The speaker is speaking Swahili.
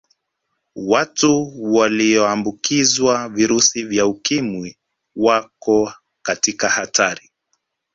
watu waliyoambikizwa virusi vya ukimwi wako katika hatari